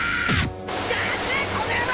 出せこの野郎！